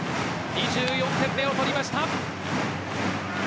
２４点目を取りました。